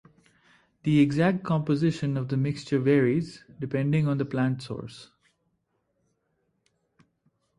The exact composition of the mixture varies, depending on the plant source.